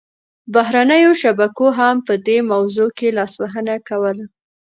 بهرنیو شبکو هم په دې موضوع کې لاسوهنه کوله